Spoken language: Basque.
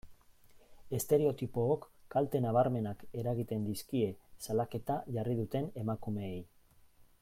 Estereotipook kalte nabarmenak eragiten dizkie salaketa jarri duten emakumeei.